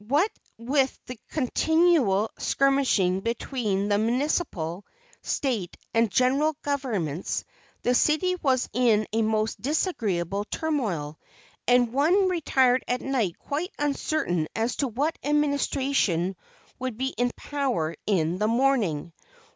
What with the continual skirmishing between the municipal, State and general governments, the city was in a most disagreeable turmoil; and one retired at night quite uncertain as to what administration would be in power in the morning.